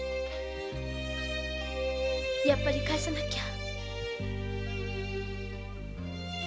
やっぱり返さなけりゃ。